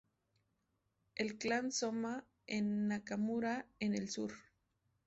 El clan Sōma en Nakamura en el sur.